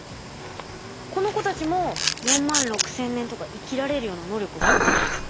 この子たちも４万６千年とか生きられるような能力を持っているんですか？